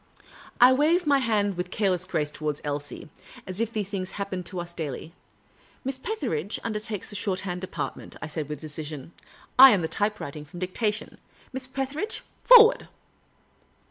I waved ni}^ hand with careless grace towards Elsie — as if these things happened to us daily. '' Miss Petheridge under takes the shorthand department," I said, with decision. " I am the typewriting from dictation. Miss Petheridge, for ward